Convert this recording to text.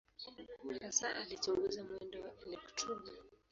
Hasa alichunguza mwendo wa elektroni.